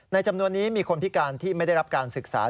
จำนวนนี้มีคนพิการที่ไม่ได้รับการศึกษา